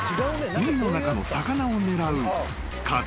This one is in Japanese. ［海の中の魚を狙う］